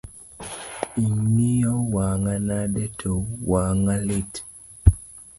Ing’iyo wang’a nade to wang'a lit?